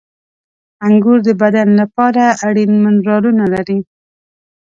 • انګور د بدن لپاره اړین منرالونه لري.